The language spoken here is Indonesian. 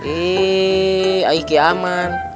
eh aik ki aman